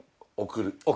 送る。